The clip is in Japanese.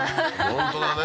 本当だね